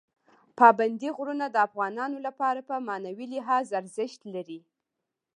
پابندی غرونه د افغانانو لپاره په معنوي لحاظ ارزښت لري.